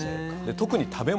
特に食べ物。